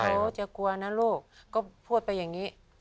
โอ้จะกลัวนะลูกก็พูดไปอย่างนี้